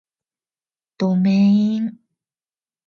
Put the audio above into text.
どめいん